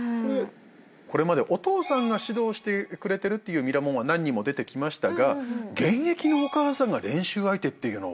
これまでお父さんが指導してくれてるっていうミラモンは何人も出てきましたが現役のお母さんが練習相手っていうのは。